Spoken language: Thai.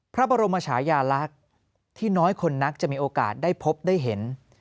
พระบรมชายาลักษณ์ที่น้อยคนนักจะมีโอกาสได้พบได้เห็น